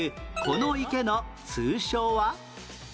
この池の通称は？